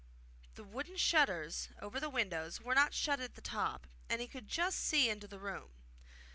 The wooden shutters over the windows were not shut at the top, and he could just see into the room.